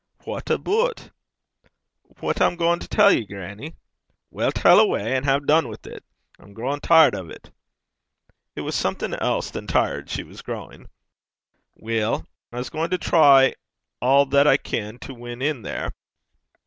'What aboot?' 'What I'm gaein' to tell ye, grannie.' 'Weel, tell awa', and hae dune wi' 't. I'm growin' tired o' 't.' It was something else than tired she was growing. 'Weel, I'm gaein' to try a' that I can to win in there.'